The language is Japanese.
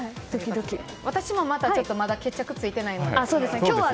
私もまだ決着がついてないので。